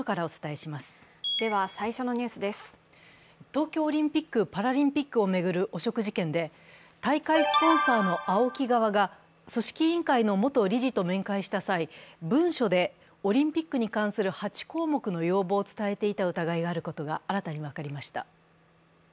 東京オリンピック・パラリンピックを巡る汚職事件で、大会スポンサーのＡＯＫＩ側が組織委員会の元理事と面会した際文書でオリンピックに関する８項目の要望を伝えていた疑いがあることが新たに分かりました。